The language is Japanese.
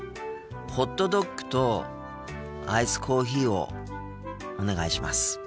ホットドッグとアイスコーヒーをお願いします。